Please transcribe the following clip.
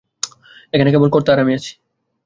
এখানে কেবল কর্তা আর আমি আছি।